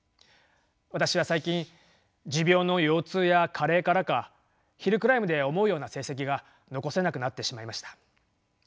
私は最近持病の腰痛や加齢からかヒルクライムで思うような成績が残せなくなってしまいました。